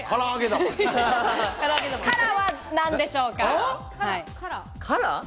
カラは何でしょうか？